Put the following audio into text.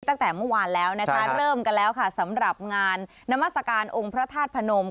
ตั้งแต่เมื่อวานแล้วนะคะเริ่มกันแล้วค่ะสำหรับงานนามัศกาลองค์พระธาตุพนม